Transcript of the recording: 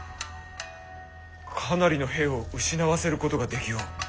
かなりの兵を失わせることができよう。